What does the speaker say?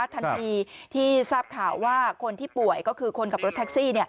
ทันทีที่ทราบข่าวว่าคนที่ป่วยก็คือคนขับรถแท็กซี่